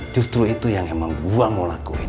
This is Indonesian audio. justru itu yang emang gue mau lakuin